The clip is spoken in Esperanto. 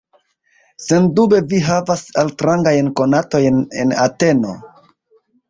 Sendube vi havas altrangajn konatojn en Ateno?